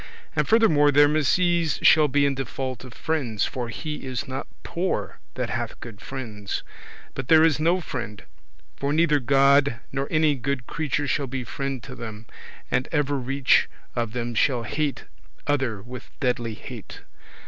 And furthermore, their misease shall be in default of friends, for he is not poor that hath good friends: but there is no friend; for neither God nor any good creature shall be friend to them, and evereach of them shall hate other with deadly hate.